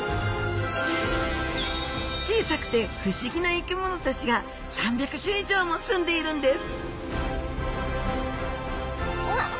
小さくて不思議な生き物たちが３００種以上も住んでいるんですわっ。